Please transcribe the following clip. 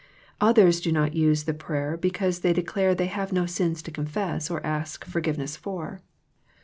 Others do not use the prayer because they de clare they have no sins to confess or ask forgive ness for.